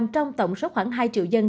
trong tổng số khoảng hai triệu dân